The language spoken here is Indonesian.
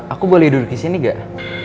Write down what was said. aku boleh duduk di sini gak